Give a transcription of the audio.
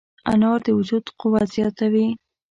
انار د وجود قوت زیاتوي.